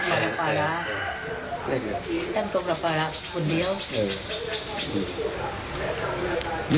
ทำราภาระคนเดียว